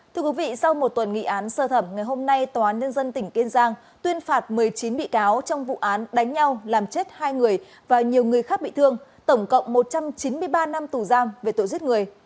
thưa quý vị sau một tuần nghị án sơ thẩm ngày hôm nay tòa án nhân dân tỉnh kiên giang tuyên phạt một mươi chín bị cáo trong vụ án đánh nhau làm chết hai người và nhiều người khác bị thương tổng cộng một trăm chín mươi ba năm tù giam về tội giết người